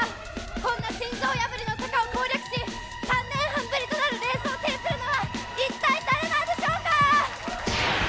そんな心臓破りの坂を攻略し３年半ぶりとなるレースを制するのは一体誰なんでしょうか！